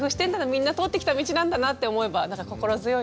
みんな通ってきた道なんだなって思えば心強いなって思いました。